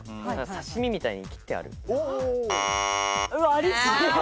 刺し身みたいに切ってある。